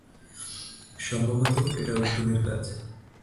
সম্ভবত এটা ওই খুনির কাজ।